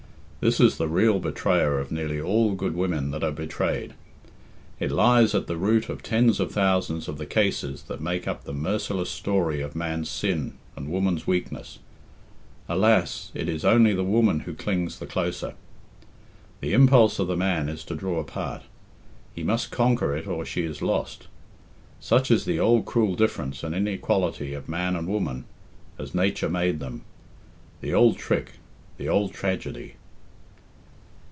This is the real betrayer of nearly all good women that are betrayed. It lies at the root of tens of thousands of the cases that make up the merciless story of man's sin and woman's weakness. Alas! it is only the woman who clings the closer. The impulse of the man is to draw apart. He must conquer it or she is lost. Such is the old cruel difference and inequality of man and woman as nature made them the old trick, the old tragedy.